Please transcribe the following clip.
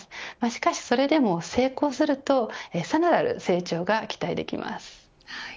しかしそれでも成功するとさらなる成長が期待できます。